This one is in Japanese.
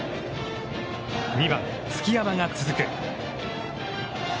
２番・月山が続く。